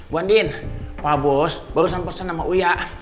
buandien pak bos baru sampai sama uya